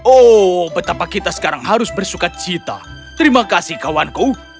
oh betapa kita sekarang harus bersuka cita terima kasih kawanku